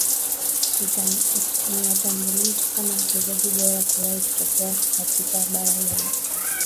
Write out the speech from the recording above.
Anatambulika kama mchezaji bora kuwahi kutokea katika bara hilo